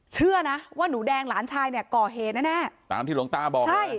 เชื่อนะว่าหนูแดงหลานชายเนี่ยก่อเหตุแน่ตามที่หลวงตาบอกใช่